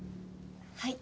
はい。